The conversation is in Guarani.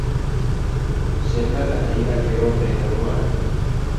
che ndaha'éi arriéro perõ g̃uarã